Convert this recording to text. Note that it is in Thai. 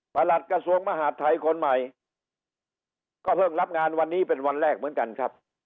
หลัดกระทรวงมหาดไทยคนใหม่ก็เพิ่งรับงานวันนี้เป็นวันแรกเหมือนกันครับ